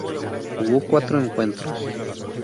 Jugó cuatro encuentros.